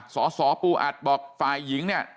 สสปูอัดบอกฝ่ายหญิงเนี่ย